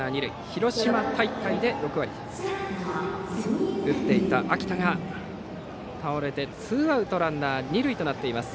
広島大会で６割打っていた秋田が倒れてツーアウトランナー、二塁です。